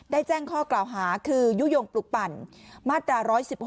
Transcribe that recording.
แจ้งข้อกล่าวหาคือยุโยงปลุกปั่นมาตรา๑๑๖